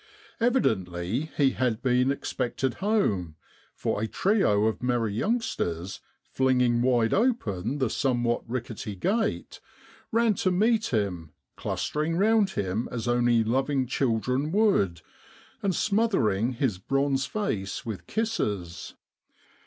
Evidently he had been expected home, for a trio of merry youngsters, flinging NOVEMBER IN BROADLAND. 119 wide open the somewhat rickety gate, ran to meet him, clustering round him as only loving children would, and smothering his bronzed face with kisses.